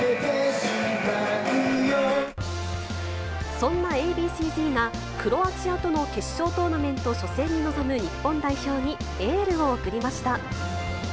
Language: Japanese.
そんなＡ．Ｂ．ＣーＺが、クロアチアとの決勝トーナメント初戦に臨む日本代表にエールを送りました。